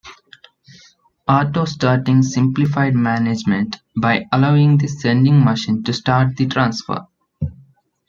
Auto-starting simplified management by allowing the sending machine to start the transfer.